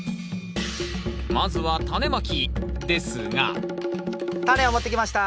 まずはタネまきですがタネを持ってきました。